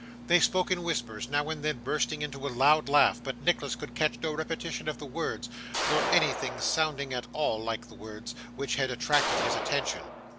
They spoke in whispers, now and then bursting into a loud laugh, but Nicholas could catch no repetition of the words, nor anything sounding at all like the words, which had attracted his attention.